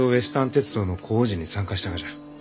鉄道の工事に参加したがじゃ。